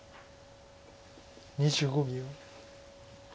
２５秒。